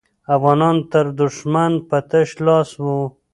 افغانان تر دښمن په تش لاس وو.